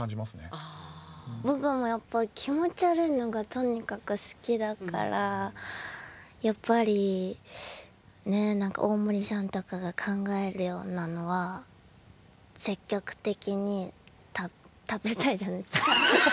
僕もやっぱ気持ち悪いのがとにかく好きだからやっぱりね何か大森さんとかが考えるようなのは積極的に食べ食べたいじゃない。